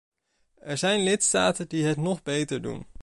Er zijn lidstaten die het nog beter doen.